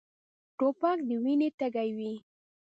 توپک د وینې تږی وي.